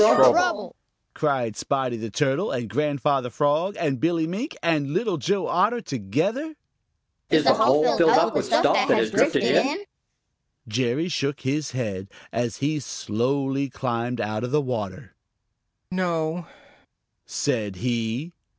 "What is the trouble?" cried Spotty the Turtle and Grandfather Frog and Billy Mink and Little Joe Otter together. "Is the hole filled up with stuff that has drifted in?" Jerry shook his head, as he slowly climbed out of the water. "No," said he.